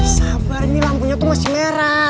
sabar ini lampunya itu masih merah